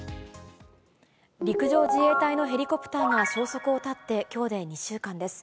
陸上自衛隊のヘリコプターが消息を絶ってきょうで２週間です。